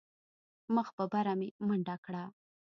مخ په بره مې منډه کړه.